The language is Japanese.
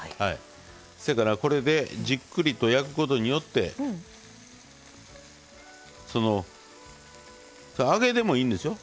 せやからこれで、じっくりと焼くことによって揚げでもいいんですよ。